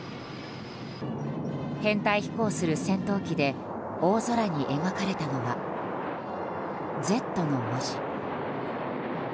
編隊飛行する戦闘機で大空に描かれたのは「Ｚ」の文字。